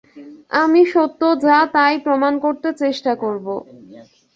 আমি সত্য যা তা-ই প্রমাণ করতে চেষ্টা করব।